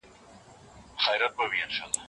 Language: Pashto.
ما نن د یوې تاریخي قلمي نسخې لیدنه وکړه.